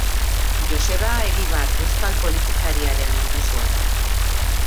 Joseba Egibar euskal politikariaren lehengusua da.